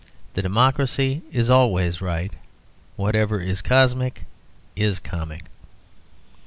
The democracy is always right. Whatever is cosmic is comic.